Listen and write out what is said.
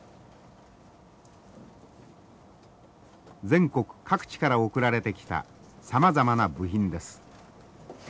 全国各地から送られてきたさまざまな部品です。